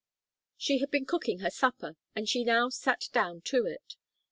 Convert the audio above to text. She had been cooking her supper, and she now sat down to it.